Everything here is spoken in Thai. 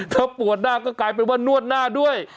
ถ้าปวดหน้าก็กลายเป็นว่านวดหน้าด้วย